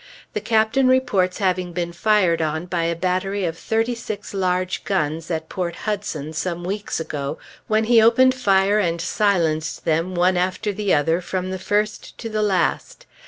The Captain reports having been fired on by a battery of thirty six large guns, at Port Hudson, some weeks ago, when he opened fire and silenced them, one after the other, from the first to the last.